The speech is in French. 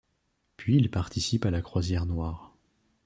Puis il participe à la Croisière noire.